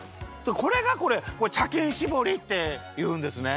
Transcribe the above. これが茶きんしぼりっていうんですね。